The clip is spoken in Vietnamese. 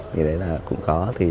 thì đấy là cũng có